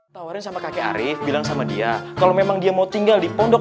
tawarin sama kakek arief bilang sama dia kalau memang dia mau tinggal di pondok